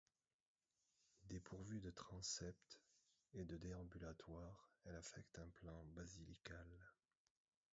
Dépourvue de transept et de déambulatoire, elle affecte un plan basilical.